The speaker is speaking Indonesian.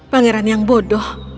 pangeran yang bodoh